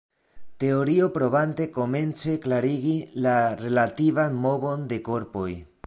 Teorio provante komence klarigi la relativan movon de korpoj.